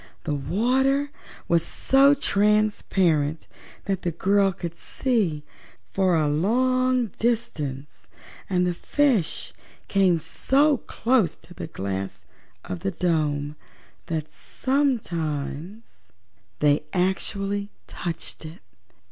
The water was so transparent that the girl could see for a long distance and the fishes came so close to the glass of the dome that sometimes they actually touched it.